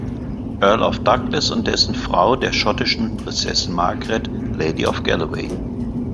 Earl of Douglas und dessen Frau der schottischen Prinzessin Margaret, Lady of Galloway.